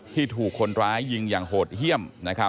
ที่ถูกคนร้ายยิงอย่างโหดเยี่ยม